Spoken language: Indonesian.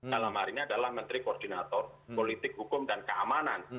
dalam hari ini adalah menteri koordinator politik hukum dan keamanan